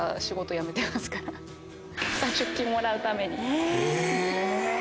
退職金もらうために。